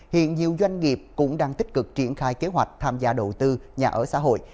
hiện nhiều doanh nghiệp cũng đang tích cực triển khai kế hoạch tham gia đầu tư nhà ở xã hội